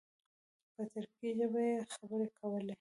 په ترکي ژبه یې خبرې کولې.